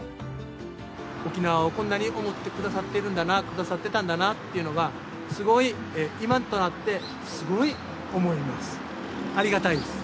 沖縄をこんなに思ってくださってたんだなっていうのが、すごい、今となって、すごい思います。